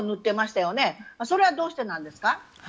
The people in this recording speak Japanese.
それはどうしてなんですか？